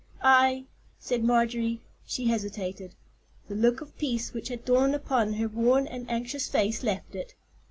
"I——" said Marjorie—she hesitated; the look of peace which had dawned upon her worn and anxious face left it.